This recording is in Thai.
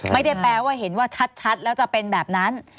ไม่ได้แปลว่าเห็นว่าชัดแล้วจะเป็นแบบนั้น